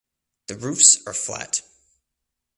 The roofs are flat.